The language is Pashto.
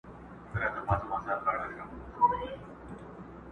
پلو باد واخیست له مخه چي وړیا دي ولیدمه!